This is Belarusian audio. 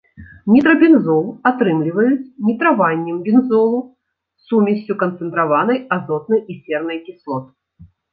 Нітрабензол атрымліваюць нітраваннем бензолу сумессю канцэнтраванай азотнай і сернай кіслот.